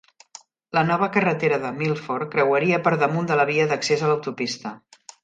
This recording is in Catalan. La nova carretera de Milford creuaria per damunt de la via d'accés a l'autopista.